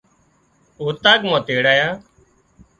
اوطاق مان تيڙايا